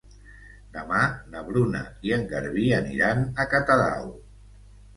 Demà na Bruna i en Garbí aniran a Catadau.